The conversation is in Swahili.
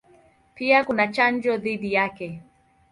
Pia kuna chanjo dhidi yake.